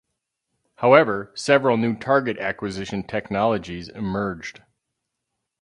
However, several new target acquisition technologies emerged.